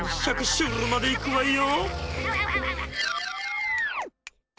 シュールまでいくわよ。